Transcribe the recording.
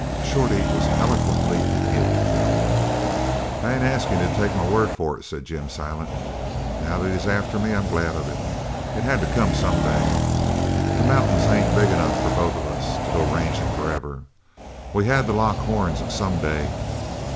Shorty was eloquently mute. "I ain't askin' you to take my word for it," said Jim Silent. "Now that he's after me, I'm glad of it. It had to come some day. The mountains ain't big enough for both of us to go rangin' forever. We had to lock horns some day.